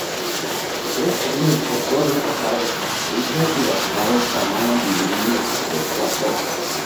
Вдруг один из чертежников радостно вскрикнул и достал из кармана длинный носовой платок.